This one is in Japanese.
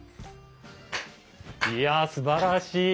いやすばらしい。